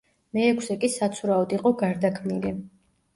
მეექვსე კი საცურაოდ იყო გარდაქმნილი.